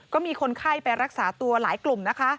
ก็มีคนไข้ไปรักษาตัวหลายกลุ่มนะคะ